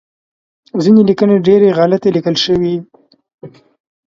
ځینې لیکنې ډیری غلطې لیکل شوی